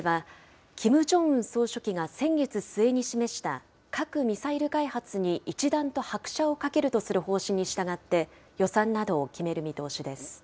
会議では、キム・ジョンウン総書記が先月末に示した核・ミサイル開発に一段と拍車をかけるとする方針に従って、予算などを決める